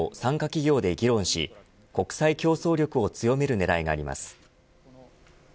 企業で議論し国際競争力を強める狙いがあります。